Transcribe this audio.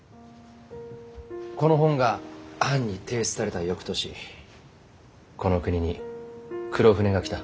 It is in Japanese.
この本が藩に提出されたよくとしこの国に黒船が来た。